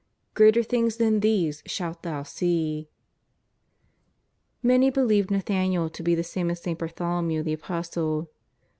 greater things than these shalt thou see." Many believed !N'athaniel to be the same as St. Bar tholomew the Apostle.